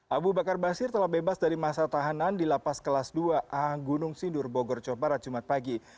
abu bakar basir telah bebas dari masa tahanan di lapas kelas dua a gunung sindur bogor jawa barat jumat pagi